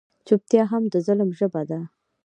چوپتیا هم د ظلم ژبه ده.